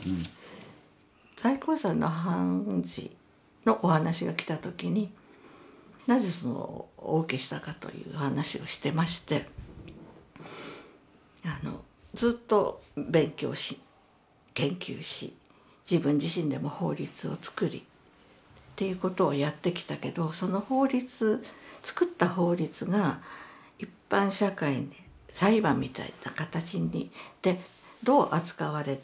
最高裁の判事のお話が来た時になぜお受けしたかという話をしてましてあのずっと勉強し研究し自分自身でも法律を作りっていうことをやってきたけどその法律というようなことを話として聞きました。